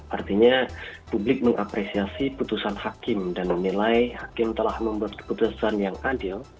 artinya publik mengapresiasi putusan hakim dan menilai hakim telah membuat keputusan yang adil